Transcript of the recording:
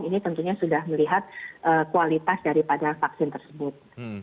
ini tentunya sudah melihat kualitas daripada vaksin tersebut